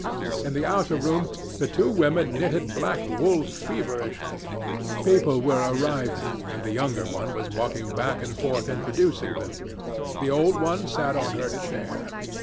In the outer room the two women knitted black wool feverishly. People were arriving, and the younger one was walking back and forth introducing them. The old one sat on her chair.